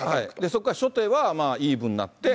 そこから初手はイーブンになって。